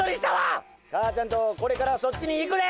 母ちゃんとこれからそっちに行くで！